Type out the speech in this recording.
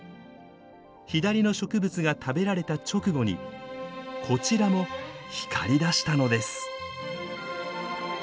左の植物が食べられた直後にこちらも光りだしたのです。